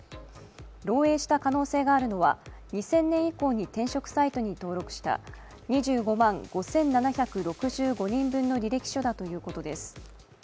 漏えいした可能性があるのは２０００年以降に転職サイトに登録した２５万５７６５人分の履歴書だということです。